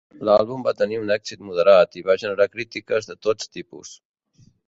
L'àlbum va tenir un èxit moderat i va generar crítiques de tots tipus.